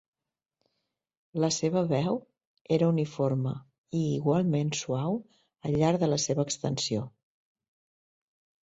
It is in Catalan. La seva veu era uniforme i igualment suau al llarg de la seva extensió.